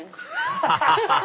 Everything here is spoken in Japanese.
ハハハハ！